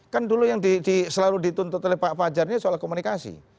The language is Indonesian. kan dulu yang selalu dituntut oleh pak fajar ini soal komunikasi